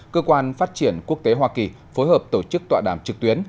cơ quan phát triển quốc tế hoa kỳ phối hợp tổ chức tọa đàm trực tuyến